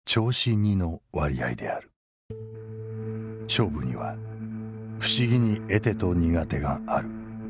勝負には不思議に得手と苦手がある。